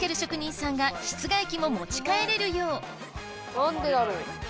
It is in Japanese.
何でだろう？